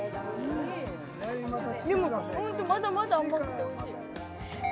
でも本当まだまだ甘くておいしい。